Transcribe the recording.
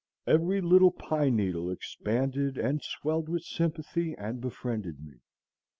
Every little pine needle expanded and swelled with sympathy and befriended me.